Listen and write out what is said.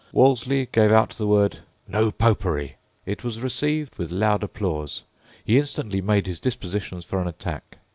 Wolseley gave out the word, "No Popery." It was received with loud applause. He instantly made his dispositions for an attack.